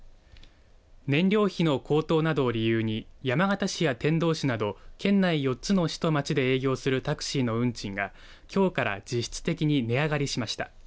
燃料費の高騰などを理由に山形市や天童市など県内４つの市と町で営業するタクシーの運賃がきょうから実質的に値上がりしました。